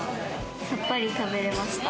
さっぱり食べれました。